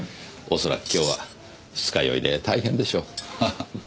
恐らく今日は二日酔いで大変でしょう。